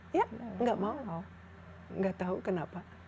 tidak mau tidak tahu kenapa